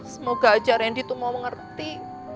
semoga aja randy itu mau mengerti